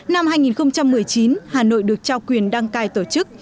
năm hai nghìn một mươi chín hà nội được trao quyền đăng cai tổ chức